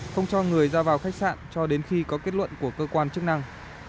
không cho người ra vào khách sạn cho đến khi có kết luận của cơ quan chức năng